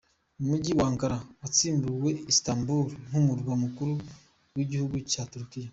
Umujyi wa Ankara wasimbuye Istanbul nk’umurwa mukuru w’igihugu cya Turukiya.